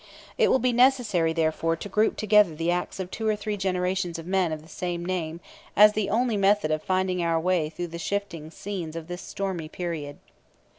It will be necessary, therefore, to group together the acts of two or three generations of men of the same name, as the only method of finding our way through the shifting scenes of this stormy period.